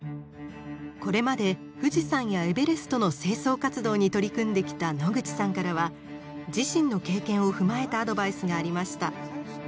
これまで富士山やエベレストの清掃活動に取り組んできた野口さんからは自身の経験を踏まえたアドバイスがありました。